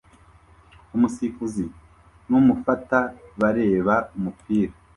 umusifuzi numufata bareba umupira